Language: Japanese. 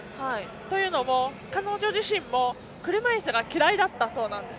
というのも彼女自身も嫌いだったそうなんです。